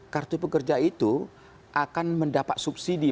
kartu pekerja itu akan mendapat subsidi